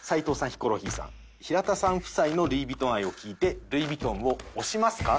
ヒコロヒーさん平田さん夫妻のルイ・ヴィトン愛を聞いてルイ・ヴィトンを推しますか？